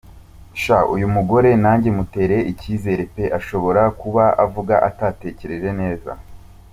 sha uyumugore nage mutereye ikizere pe, ashobora kuba avuga atatekereje neza.